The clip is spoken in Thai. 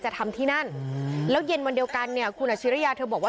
จะทำที่นั่นแล้วเย็นวันเดียวกันเนี่ยคุณอาชิริยาเธอบอกว่า